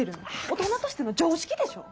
大人としての常識でしょ。